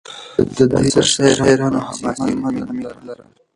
د ده د عصر شاعرانو حماسي مضامین لرل.